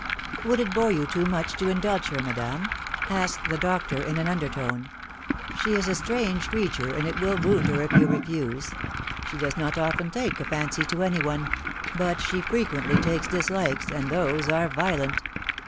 "Would it bore you too much to indulge her, madame?" asked the doctor in an undertone. " She is a strange creature, and it will wound her if you refuse. She does not often take a fancy to any one ; but she frequently takes dislikes, and those are violent."